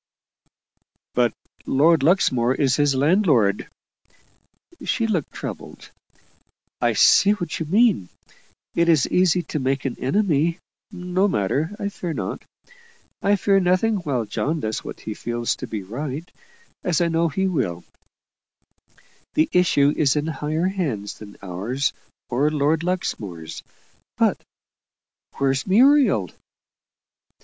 "But Lord Luxmore is his landlord." She looked troubled. "I see what you mean. It is easy to make an enemy. No matter I fear not. I fear nothing while John does what he feels to be right as I know he will; the issue is in higher hands than ours or Lord Luxmore's. But where's Muriel?"